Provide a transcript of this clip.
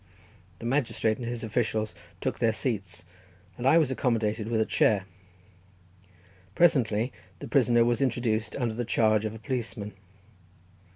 The magistrate and his officials took their seats, and I was accommodated with a chair. Presently the prisoner was introduced under the charge of a policeman.